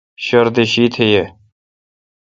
شردہ شیتھ یے۔